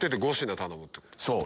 そう！